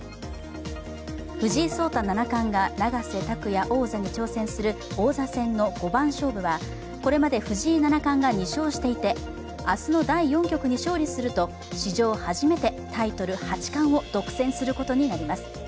藤井聡太七冠が永瀬拓矢王座に挑戦する王座戦は、これまで藤井七冠が２勝していて明日の第４局に勝利すると、史上初めてタイトル八冠を独占することになります。